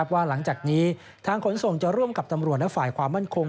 ว่าหลังจากนี้ทางขนส่งจะร่วมกับตำรวจและฝ่ายความมั่นคง